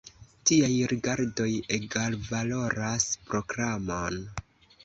Tiaj rigardoj egalvaloras proklamon.